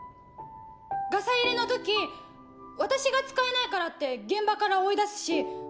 ガサ入れの時私が使えないからって現場から追い出すし。